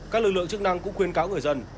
các lực lượng chức năng cũng khuyên cáo người dân